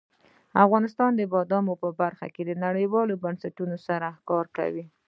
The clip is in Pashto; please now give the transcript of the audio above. افغانستان د بادام په برخه کې نړیوالو بنسټونو سره کار کوي.